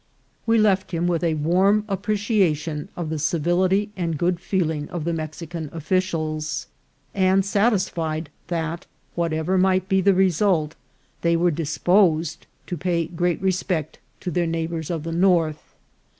We left him with a warm ap preciation of the civility and good feeling of the Mexi can officials, and satisfied that, whatever might be the result, they were disposed to pay great respect to their neighbours of the North.